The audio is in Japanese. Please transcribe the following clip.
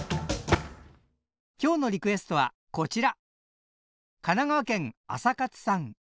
今日のリクエストはこちら。